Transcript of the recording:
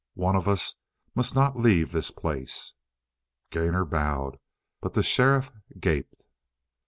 One of us must not leave this place!" Gainor bowed, but the sheriff gaped.